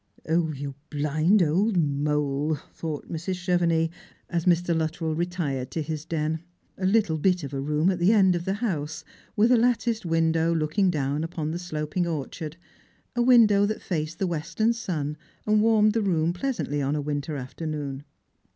" O you blind old mole !" thought Mrs. Chevenix, as Mr. Luttrell retired to his den ; a little bit of a room at the end of the house, with a latticed window looking down upon the sloping orchard : a window that faced the western sun, and warmed the room pleasantly upon a winter afternoon.